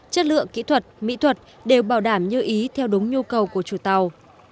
chất lượng kỹ thuật mỹ thuật đều bảo đảm như ý theo đúng nhu cầu của chủ tàu